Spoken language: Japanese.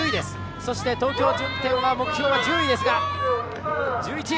そして東京・順天目標は１０位ですが１１位。